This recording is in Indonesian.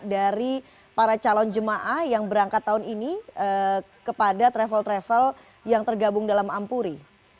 dari para calon jemaah yang berangkat tahun ini kepada travel travel yang tergabung dalam ampuri